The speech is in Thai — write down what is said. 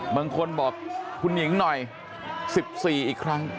บางคนบอกคุณหญิงหน่อย๑๔อีกครั้ง